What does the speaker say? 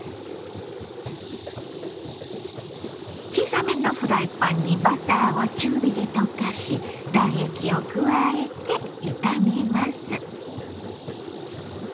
小さめのフライパンにバターを中火で溶かし卵液を加えて炒めます。